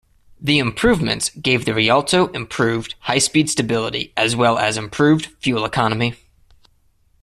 The improvements gave the Rialto improved high-speed stability as well as improved fuel economy.